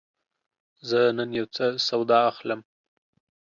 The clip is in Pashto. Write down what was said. زه نن یوڅه سودا اخلم.